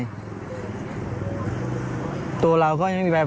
อยู่กับพ่อแม่